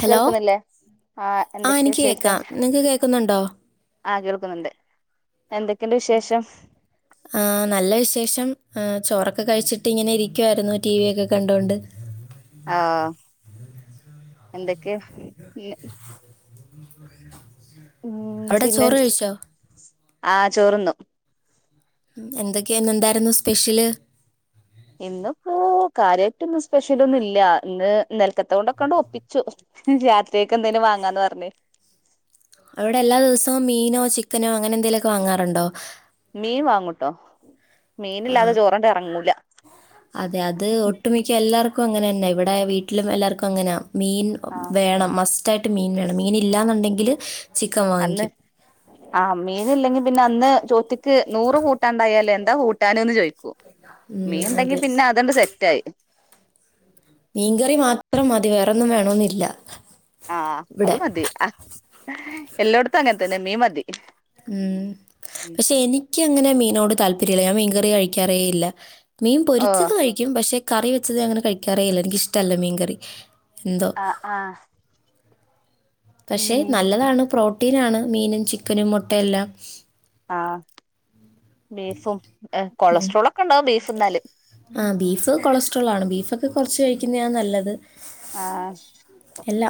Hello ആ ആഹ് എന്തൊക്കെ എനിക്ക് കേക്കാം നിങ്ങക്ക് കേക്ക്ന്നുണ്ടോ ആഹ് കേൾക്കുന്ന്ണ്ട് എന്തെക്കെണ്ട് വിശേഷം ആഹ് നല്ല വിശേഷം എഹ് ചോറൊക്കെ കഴിച്ചിട്ട് ഇങ്ങനെ ഇരിക്കുവായിരുന്നു ടി വി ഒക്കെ കണ്ടോണ്ട് ആഹ് എന്തെക്കെ പിന്നെ ഉം അവിടെ പിന്നെ ചോറ് കഴിച്ചോ ആഹ് ചോറ്ന്നു ഉം എന്തെക്കെ ഇന്നെന്തായ്രുന്നു സ്പെഷ്യല് ഇന്ന്പ്പോ കാര്യായിട്ടൊന്നും സ്പെഷ്യലൊന്നും ഇല്ല ഇന്ന് ഇന്നൽക്കത്തതോണ്ടൊക്കെ ആണ്ട് ഒപ്പിച്ചു രാത്രിക്കക്ക് എന്തേലും വാങ്ങാന്ന് പറഞ്ഞ് അവിടെ എല്ലാ ദിവസവും മീനോ ചിക്കനോ അങ്ങനെ എന്തേലൊക്കെ വാങ്ങാറുണ്ടോ മീൻ വാങ്ങുട്ടോ ആ മീനില്ലാതെ ചോറാണ്ട് എറങ്ങൂല ഷെ എല്ലാർക്കും അങ്ങനെ തന്നെ ഇവിടെ വീട്ടിലും എല്ലാർക്കും അങ്ങനാ മീൻ ആ വേണം മസ് സ്റ്റായിട്ട് മീൻ വേണം മീനില്ലാന്നുണ്ടെങ്കില് അന്ന് ആഹ് മീനില്ലെങ്കി പിന്നെ അന്ന് ചോറ്റ്ക്ക് നൂറ് കൂട്ടാൻ ഇണ്ടായാലും എന്താ കൂട്ടാന്ന്ന് ചോയിക്കും ഉം, മീൻ ഇണ്ടെങ്കി അതെ പിന്നെ അതണ്ട് സെറ്റായി മീൻകറി മാത്രം മതി വേറൊന്നും വേണോന്നില്ല ആഹ് അത് മതി അഹ് എല്ലോട്ത്തും അങ്ങൻത്തെന്നെ മീൻ മതി ഉം പക്ഷെ എനിക്ക് അങ്ങനെ മീനോട് താല്പര്യല്ല ഞാൻ മീൻകറി കഴിക്കാറേ ഇല്ല മീൻ ഓ പൊരിച്ചത് കഴിക്കും പക്ഷെ കറി വെച്ചത് അങ്ങനെ കഴിക്കാറേയില്ല എനിക്കിഷ്ടവല്ല മീൻ കറി എന്തോ ആഹ് പക്ഷെ നല്ലതാണ് പ്രോട്ടീനാണ് മീനും ചിക്കനും മുട്ടയെല്ലാം ആഹ് ബീഫും എഹ് കൊളസ്ട്രോളൊക്കെ ഇണ്ടാവും ബീഫ് തിന്നാല് ആഹ് ബീഫ് കൊളസ്ട്രോളാണ് ബീഫൊക്കെ കൊർച്ച് കഴിക്ക്യുന്നയാ നല്ലത് ആഹ് എല്ല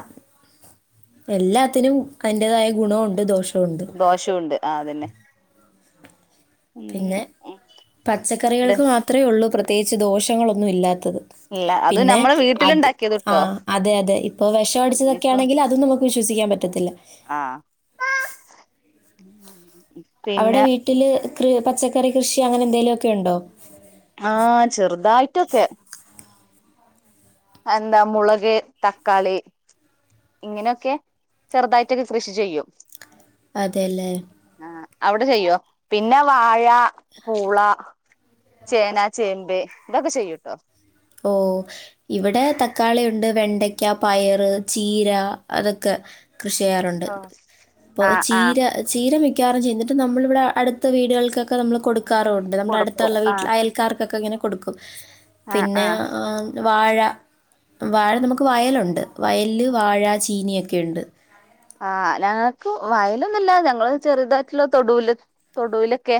എല്ലാത്തിനും അയ്ന്റേതായ ഗുണവുണ്ട് ദോഷം ദോഷംഉണ്ട് ആഹ് അതെന്നെ പിന്നെ പച്ചക്കറികൾക്ക് മാത്രേ ഉള്ളൂ പ്രത്യേകിച്ച് ദോഷങ്ങളൊന്നും ഇല്ലാത്തത് ഇല്ല അത് പിന്നെ നമ്മളെ അത് വീട്ടിലുണ്ടാക്കിയത് ട്ടോ ആഹ് അതെ അതെ ഇപ്പൊ വെഷം അടിച്ചതൊക്കെ ആണെങ്കില് അതും നമുക്ക് വിശ്വസിക്കാൻ പറ്റത്തില്ല ആഹ് അവിടെ വീട്ടില് കൃ പച്ചക്കറി കൃഷി അങ്ങനെ എന്തേലു ഒക്കെയുണ്ടോ ആഹ് ചെറ്തായിട്ടൊക്കെ അഹ് എന്താ മുളക്, തക്കാളി ഇങ്ങനെഒക്കേ ചെർതായിട്ടൊക്കെ കൃഷി ചെയ്യും അതെലേ ആഹ് ഔടെ ചെയ്യോ പിന്നെ വാഴ പൂള ചേന ചേമ്പ് ഇതൊക്കെ ചെയ്യുട്ടോ ഓ ഇവിടെ തക്കാളി ഒണ്ട് വെണ്ടെയ് ക്ക പയറ് ചീര അതൊക്കെ കൃഷി ചെയ്യാറുണ്ട് ഇപ്പോ ആഹ് ആഹ് ചീര ചീര മിക്കവാറും ചെയ്തിട്ട് നമ്മളിവിടെ അടുത്ത വീടുകൾക്കൊക്കെ നമ്മള് കൊടുക്കാറുണ്ട് നമ്മുടെ കൊടുക്കും അടുത്തുള്ള വീട്ടില് ആഹ് അയൽ ക്കാർക്കൊക്കെ ഇങ്ങനെ കൊട്ക്കും ആഹ് പിന്നേ ആഹ് ആം വാഴ വാഴ നമുക്ക് വയലുണ്ട് വയൽല് വാഴ ചീനിഒക്കെയുണ്ട് ആഹ് ഞങ്ങക്ക് വയലൊന്നുല്ല ഞങ്ങള് ചെറുതായിട്ടുള്ള തൊടൂല് തൊടൂലൊക്കെ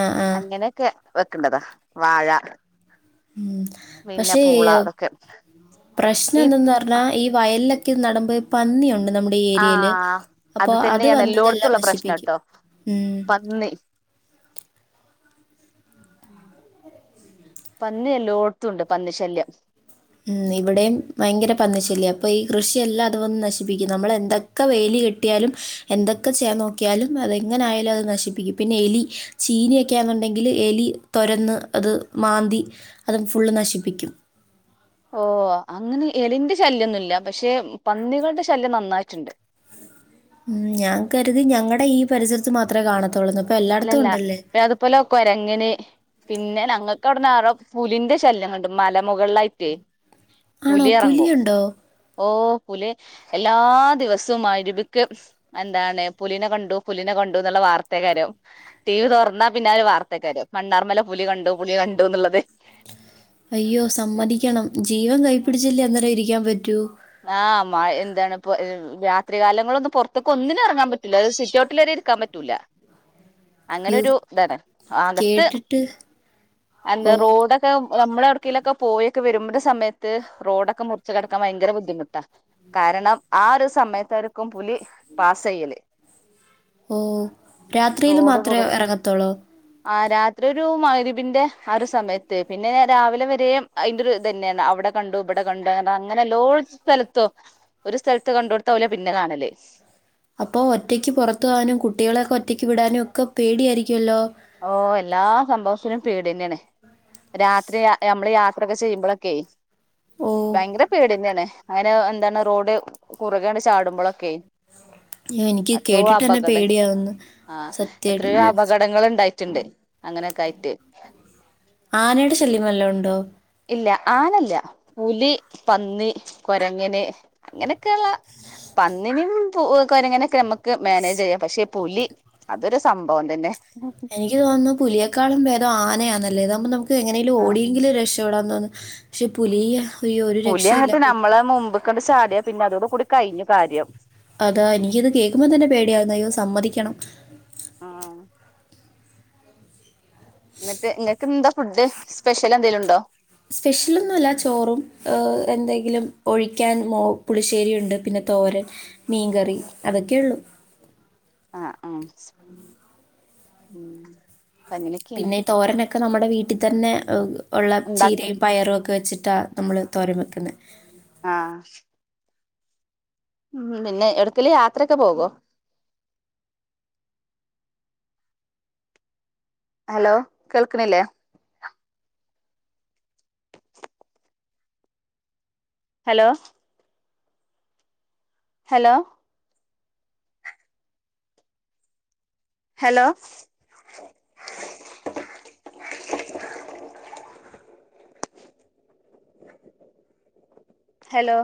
ആഹ് ആഹ്. അങ്ങനൊക്കെ വെക്ക്ണതാ വാഴ മ് പിന്നെ പക്ഷേ പൂള ഇയാഹു അതൊക്കെ പ്രശ്നം ഈ എന്തെന്നാ ന്നാ ഈ വയൽലൊക്കെ നടുമ്പോ പന്നിയുണ്ട് നമ് ആഹ് അത് തന്നേണ് ഇതെല്ലാം എല്ലോട്ത്തുള്ള നശിപ്പിക്കും പ്രശ്നട്ടോ ഉം. പന്നി പന്നി എല്ലോട്ത്തുണ്ട് പന്നി ശല്ല്യം മ് ഇവിടേയും ഭയങ്കര പന്നിശല്യാ അപ്പൊ ഈ കൃഷിയെല്ല അത് വന്ന് നശിപ്പിക്കും നമ്മളെന്ത ക്കവേലി കെട്ടിയാലും എന്തൊക്കെ ചെയാൻ നോക്കിയാലും അതെങ്ങനായാലും അത് നശിപ്പിക്കും പിന്നെ എലി ചീനി ഒക്യാന്നുണ്ടെങ്കില് എലി തൊരന്ന് അത് മാന്തി അതും ഫുള്ള് നശിപ്പിക്കും ഓ അങ്ങനെ എലിന്റെ ശല്യ ഒന്നുംല്ല്യ പക്ഷേ പന്നികളുടെ ശല്യം നന്നായിട്ട്ണ്ട് മ് ഞാൻ കരുതി ഞങ്ങടെ ഈ പരിസരത്ത് മാത്രേ കാണത്തൊള്ളുന്ന് ഇല്ലല്ല പിന്നെ അതുപോലൊ കൊരങ്ങന് പിന്നെ ഞങ്ങക്ക് ഔടന്ന് അറ പുലിന്റെ ശല്യങ്ങണ്ട് മല മുകളിലായിട്ടേ ആണോ പുലി എറങ്ങും പുലിയുണ്ടോ ഓ പുലി എല്ലാ ദിവസവും മഗ്‌രിബ്ക്ക് എന്താണ് പുലിനെ കണ്ടു പുലിനെ കണ്ടൂന്നുള്ള വാർത്തെയ്ക്കാരം ടി വി തൊർന്നാ പിന്നെ അത് ഒരു വാർത്തെക്കാരം മണ്ണാർമല പുലി കണ്ടു പുളി കണ്ടൂന്ന്ള്ളത് അയ്യോ സമ്മതിക്കണം ജീവൻ കൈ പിടിച്ചെല്ലേ അന്നെരം ഇരിക്കാൻ പറ്റൂ ആഹ് മഴ എന്താണ് ഇപ്പൊ രാത്രികാലങ്ങളിലൊന്നും പൊർത്തൊക്കെ ഒന്നിനും എറങ്ങാൻ പറ്റുല ഒരു സിറ്റഔട്ടില്‌വരേ ഇരിക്കാൻ പറ്റൂല അങ്ങനെ യ്യോ ഒരു താണ് ആകത്ത് കേട്ടിട്ട് ഓ അന്ത റോഡ് ക്കെ നമ്മള് എടക്കേലൊക്കെ പോയൊക്കെ വരുമ്പ്ട സമയത്ത് റോഡൊക്കെ മുറിച്ച് കടക്കാ ഭയങ്കര ബു ബുദ്ധിമുട്ടാ കാരണം ആ ഒര് സമയത്തായ്രിക്കും പുലി പാസെയ്യല് ഓ രാത്രിയിൽ റോഡ് കുറ മാത്രമേ ഇറങ്ങത്തുള്ളോ ആഹ് രാത്രി ഒരു മഗ്‌രിബ്ന്റെ ആ ഒര് സമയത്ത് പിന്നേ രാവിലെ വരേം അയ്ൻ്റൊര് ഇതെന്നേണ് അവ്ടെ കണ്ടു ബടെ കണ്ടാർ അങ്ങനെ എല്ലോ സ്ഥലത്തോ ഒരു സ്ഥലത്ത് കണ്ടോട്ത്താഊല പിന്നെ കാണല് അപ്പൊ ഒറ്റക്ക് പൊറത്ത് പോവാനും കുട്ടികളേഒക്കെ ഒറ്റക്ക് വിടാനും ഒക്കെ പേടിആയിരിക്കു അല്ലോ ഓ എല്ലാ സംഭവത്തിനും പേടി തന്നേണ് രാത്രി നമ്മള് യാത്രയൊക്കെ ചെയ്യുമ്പളൊക്കെ ഓ ഭയങ്കര പേടിഎന്നേണ് അയ്ന് എന്താണ് റോഡ് കുറുകേണ്ട് ചാടുമ്പളൊക്കേ അയ്യോ, എനിക്ക് എത്രോ കേട്ടിട്ട് തന്നെ അപകടം പേടിയാവുന്നു ആ സത്യമായിട്ടും എത്രയോ ഉഫ്. അപകടങ്ങള് ഇണ്ടായി ട്ട്ണ്ട് അങ്ങനൊക്കായിട്ട് ആനയുടെ ശല്യവല്ലോ ഉണ്ടോ ഇല്ല ആനല്ല പുലി പന്നി കൊരങ്ങന് അങ്ങനെയൊക്കെള്ള പന്നീനേം പു കൊരങ്ങനെക്കെ നമ്മക്ക് മാനേജ് ചെയ്യാം പക്ഷെ പുലി അതൊരു സംഭവംതന്നെ എനിക്ക് തോന്നുന്നു പുലിയെക്കാളും ഭേദം ആനയാന്നല്ലെ അതാകുമ്പ നമുക്ക് എങ്ങനേലും ആഹ് ഓടിയെങ്കിലും രക്ഷ പെടാന്ന് തോന്ന് പക്ഷെ പുലിയാ പുലിയങ്ങട്ട് നമ്മളെ മുമ്പ്ക്കട് ചാടിയ പിന്നെ അതോടു കൂടി കഴിഞ്ഞു കാര്യം. അതാ എനിക്കിത് കേക്കുമ്പോ തന്നെ പേടിയാവുന്നു അയ്യോ സമ്മതിക്കണം. ആഹ് എന്നിട്ട് ഇങ്ങക്കെന്താ ഫുഡ് സ്പെഷ്യലെന്തേലും ഉണ്ടോ സ്പെഷ്യലൊന്നുല്ല ചോറും ഏഹ് എന്തെങ്കിലും ഒഴിക്കാൻ മോ പുളിശ്ശേരി ഇണ്ട് പിന്നെ തോരൻ മീൻകറി അതൊക്കെ ഉള്ളൂ. ആഹ് ആഹ് ആഹ് അപ്പങ്ങനക്കേണ്. തോരനക്ക നമ്മടെ വീട്ടി തന്നെ ഒള്ള ഉണ്ടാക്കും ചീരയും പയറും ഒക്കെ വെച്ചിട്ടാ. നമ്മള് തോരൻ വെക്കുന്നെ. ആഹ് ഉം പിന്നെ എവിടെക്കേലും യാത്രയൊക്കെ പോകോ ഹലോ കേൾക്കണില്ലേ ഹലോ ഹലോ ഹലോ ഹലോ